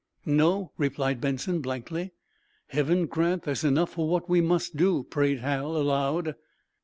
"No," replied Benson, blankly. "Heaven grant there's enough for what we must do," prayed Hal, aloud.